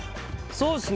そうですね。